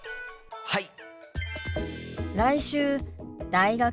はい！